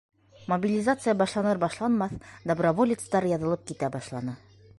Мобилизация башланыр-башланмаҫ, доброволецтар яҙылып китә башланы.